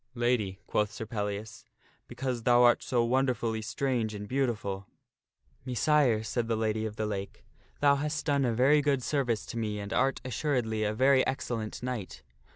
" Lady," quoth Sir Pellias, " because thou art so wonderfully strange and beauti ful." " Messire," said the Lady of the Lake, " thou hast done a very good service to me and art, assuredly, a very excellent knight.